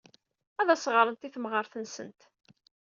Ad as-ɣrent i temɣart-nsent.